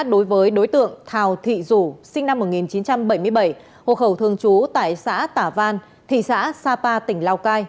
đối với đối tượng thào thị rủ sinh năm một nghìn chín trăm bảy mươi bảy hộ khẩu thường trú tại xã tả văn thị xã sapa tỉnh lào cai